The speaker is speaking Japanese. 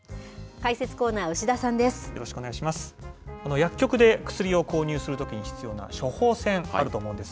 解説コーナー、牛田さんです。